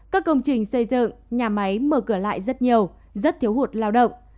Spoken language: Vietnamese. các công trình xây dựng nhà máy mở cửa lại rất nhiều rất thiếu hụt lao động